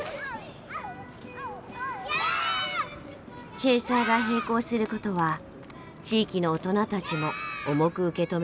チェーサーが閉校することは地域の大人たちも重く受け止めています。